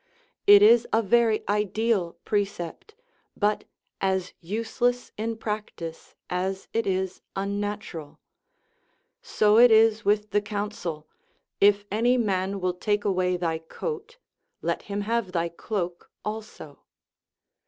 It is a very ideal precept, but as useless in practice as it is unnat ural. So it is with the counsel, " If any man will take 353 THE RIDDLE OF THE UNIVERSE away thy coat, let him have thy cloak also."